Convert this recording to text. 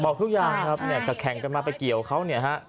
บอกทุกอย่างครับแต่แข่งกันมาไปเกี่ยวเขา